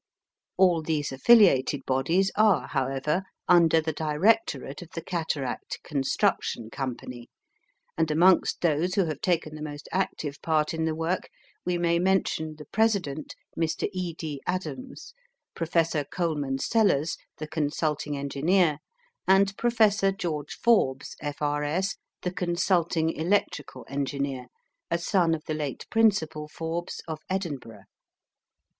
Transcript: All these affiliated bodies are, however, under the directorate of the Cataract Construction Company; and amongst those who have taken the most active part in the work we may mention the president, Mr. E. D. Adams; Professor Coleman Sellers, the consulting engineer; and Professor George Forbes, F. R. S., the consulting electrical engineer, a son of the late Principal Forbes of Edinburgh.